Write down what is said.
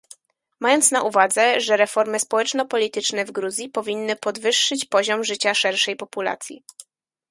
"mając na uwadze, że reformy społeczno-polityczne w Gruzji powinny podwyższyć poziom życia szerszej populacji"